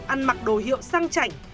ăn mặc đồ hiệu sang chảnh